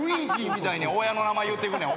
みたいに親の名前言ってくんねん。